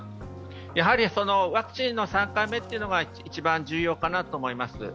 やはりワクチンの３回目というのが一番重要かなと思います。